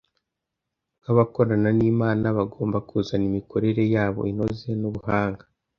nk’abakorana n’Imana, bagomba kuzana imikorere yabo inoze n’ubuhanga,